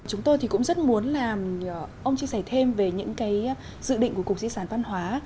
chúng tôi thì cũng rất muốn là ông chia sẻ thêm về những cái dự định của cục di sản văn hóa